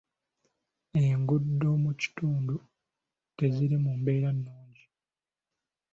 Enguudo mu kitundu teziri mu mbeera nnungi.